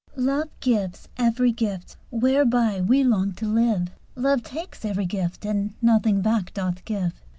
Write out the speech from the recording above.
Love gives every gift whereby we long to live "Love takes every gift, and nothing back doth give."